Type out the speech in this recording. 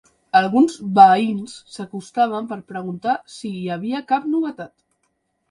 Alguns veïns s'acostaven per preguntar si hi havia cap novetat.